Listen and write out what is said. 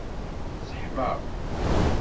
Sseḥmaɣ.